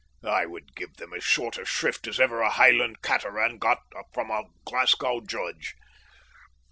I would give them as short a shrift as ever a Highland cateran got from a Glasgow judge.